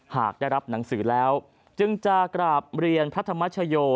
หากได้รับหนังสือแล้วจึงจะกราบเรียนพระธรรมชโย